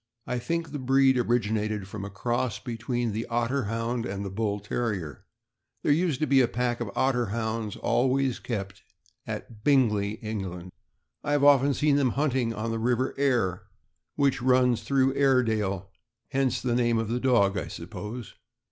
I think the breed originated from a cross between the Otter Hound and the Bull Terrier. There used to be a pack of Otter Hounds kept always at Bingley, England. I have often seen them hunting on the River Aire, which runs through Airedale; hence the name of the dog, I suppose.